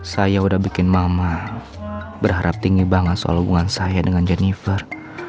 saya udah bikin mama berharap tinggi banget soal hubungan saya dengan jennifer